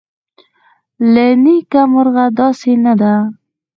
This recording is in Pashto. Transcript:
له نیکه مرغه داسې نه ده